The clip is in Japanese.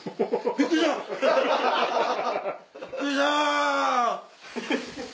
びっくりした！